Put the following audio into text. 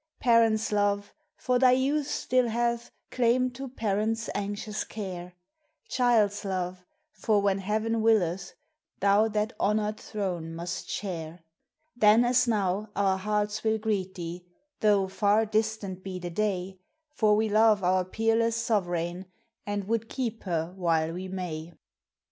Parent's love, for thy youth still hath Claim to parent's anxious care; Child's love, for when Heaven willeth Thou that honoured throne must share; Then, as now, our hearts will greet thee, Though far distant be the day; For we love our peerless Sov'reign And would keep her while we may.